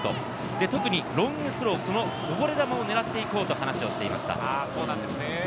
特にロングスロー、こぼれ球を狙っていこうという話をしていました。